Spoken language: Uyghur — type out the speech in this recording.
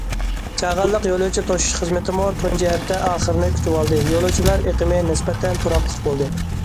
چاغانلىق يولۇچى توشۇش خىزمىتىمۇ تۇنجى ھەپتە ئاخىرىنى كۈتۈۋالدى، يولۇچىلار ئېقىمى نىسبەتەن تۇراقلىق بولدى.